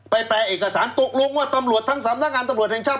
แปลเอกสารตกลงว่าตำรวจทั้งสำนักงานตำรวจแห่งชาติ